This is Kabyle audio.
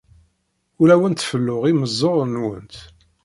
Ur awent-felluɣ imeẓẓuɣen-nwent.